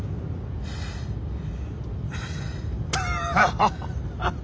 ハハハハハ。